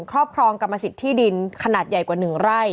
ครอบครองกรรมสิทธิ์ที่ดินขนาดใหญ่กว่า๑ไร่